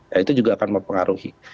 nah itu juga akan mempengaruhi